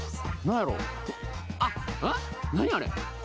何あれ？